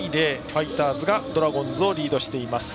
ファイターズがドラゴンズをリードしています。